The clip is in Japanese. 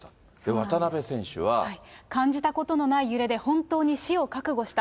渡辺選手は。感じたいことのない揺れで、本当に死を覚悟した。